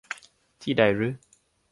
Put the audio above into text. ที่ใดรึ ?